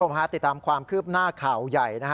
คุณผู้ชมฮะติดตามความคืบหน้าข่าวใหญ่